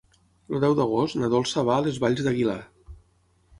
El deu d'agost na Dolça va a les Valls d'Aguilar.